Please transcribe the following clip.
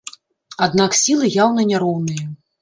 Аднак сілы яўна няроўныя.